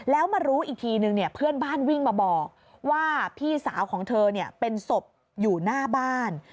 แล้วมารู้อีกทีนึงเพื่อนบ้านวิ่งมาบอกว่าพี่สาวของเธอเป็นศพอยู่หน้าบ้าน